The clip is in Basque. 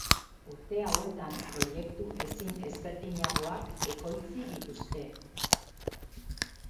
Urte hauetan proiektu ezin ezberdinagoak ekoitzi dituzte.